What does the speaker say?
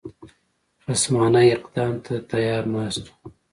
خصمانه افدام ته تیار ناست وو.